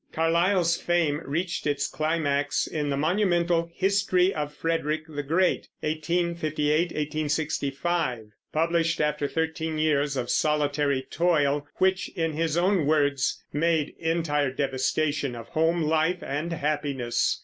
Carlyle's fame reached its climax in the monumental History of Frederick the Great (1858 1865), published after thirteen years of solitary toil, which, in his own words, "made entire devastation of home life and happiness."